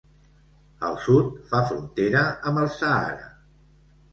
Al sud, fa frontera amb el Sàhara.